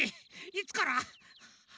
いつから？